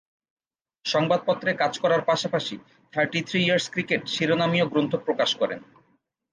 সংবাদপত্রে কাজ করার পাশাপাশি ‘থার্টি-থ্রি ইয়ার্স ক্রিকেট’ শিরোনামীয় গ্রন্থ প্রকাশ করেন।